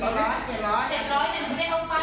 เหลือเท่าไหร่หรือห้าพันหรือห้าพันป้าหรือห้าพัน